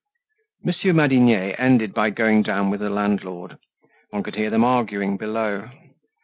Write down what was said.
Monsieur Madinier ended by going down with the landlord. One could hear them arguing below.